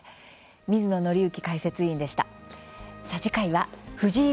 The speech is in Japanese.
水野倫之解説委員でした。